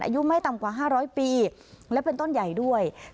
อายุไม่ต่ำกว่า๕๐๐ปีและเป็นต้นใหญ่ด้วย